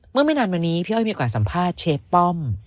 ไม่นานมานี้พี่อ้อยมีโอกาสสัมภาษณ์เชฟป้อม